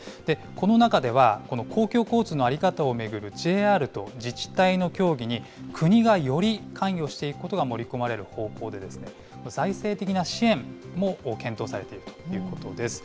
この中では、この公共交通の在り方を巡るＪＲと自治体の協議に、国がより関与していくことが盛り込まれる方向で、財政的な支援も検討されているということです。